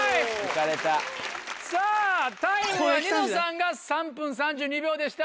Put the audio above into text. さぁタイムはニノさんが３分３２秒でした。